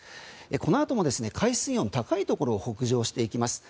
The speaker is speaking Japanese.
このあとも海水温が高いところを北上していきます。